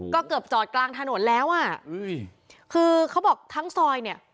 ก็เกือบจอดกลางถนนแล้วอ่ะคือเขาบอกทั้งซอยเนี่ย